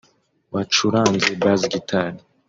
wacuranze bass gitari